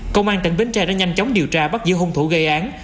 công an tỉnh bến tre đã nhanh chóng điều tra bắt giữ hung thủ gây án